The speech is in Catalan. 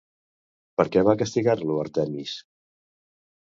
Per què va castigar-lo Àrtemis?